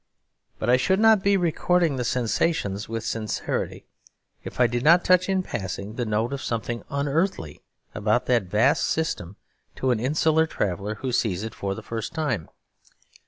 But I should not be recording the sensations with sincerity, if I did not touch in passing the note of something unearthly about that vast system to an insular traveller who sees it for the first time.